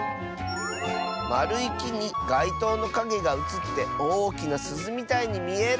「まるいきにがいとうのかげがうつっておおきなすずみたいにみえる！」。